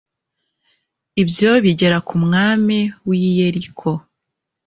ibyo bigera ku mwami w'i yeriko